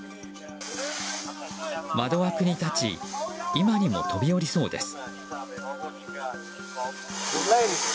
窓枠に立ち今にも飛び降りそうです。